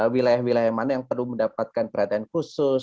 wilayah wilayah mana yang perlu mendapatkan perhatian khusus